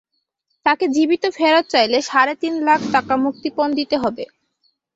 তাকে জীবিত ফেরত চাইলে সাড়ে তিন লাখ টাকা মুক্তিপণ দিতে হবে।